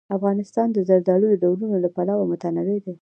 افغانستان د زردالو د ډولونو له پلوه متنوع دی.